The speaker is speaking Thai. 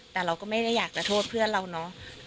แต่เราก็ไม่ได้อยากจะโทษเพื่อนเราเนาะ